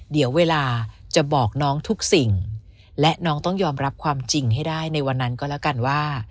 เดี๋ยวเวลาจะบอกน้องทุกสิ่งและน้องต้องยอมรับความจริงให้ได้ในวันนั้นก็แล้วกันว่า